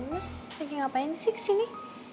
terus lagi ngapain sih kesini